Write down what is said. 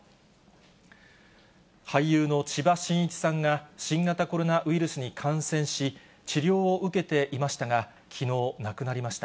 俳優の千葉真一さんが、新型コロナウイルスに感染し、治療を受けていましたが、きのう、亡くなりました。